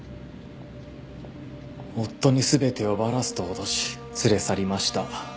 夫に全てをバラすと脅し連れ去りました。